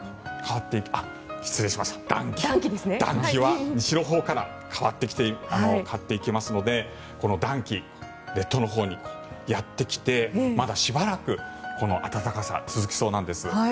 暖気は西のほうから変わっていきますので暖気、列島のほうにやってきてまだしばらくこの暖かさ続きそうなんです。